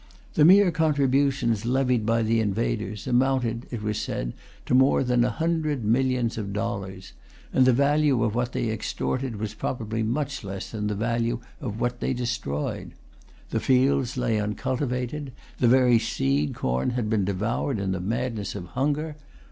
The mere contributions levied by the invaders amounted, it was said, to more than a hundred millions of dollars; and the value of what they extorted was probably much less than the value of what they destroyed. The fields lay uncultivated. The very seed corn had been devoured in the madness of hunger.